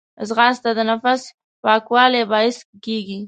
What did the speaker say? ځغاسته د نفس پاکوالي باعث کېږي